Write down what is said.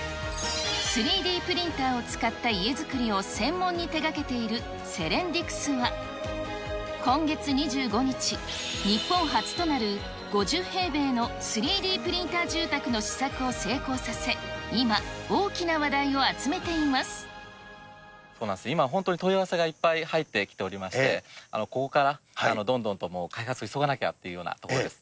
３Ｄプリンターを使った家造りを専門に手掛けているセレンディクスは、今月２５日、日本初となる５０平米の３Ｄプリンター住宅の試作を成功させ、今、本当に問い合わせがいっぱい入ってきておりまして、ここからどんどんと開発急がなきゃというところです。